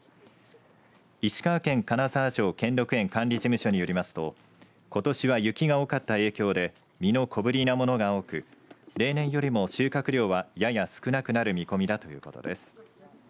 石川県金沢城・兼六園管理事務所によりますと雪が多かった影響で実の小ぶりなものが多く例年よりも収穫量はやや少なくなる見込みだということです。